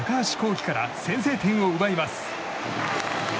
稀から先制点を奪います。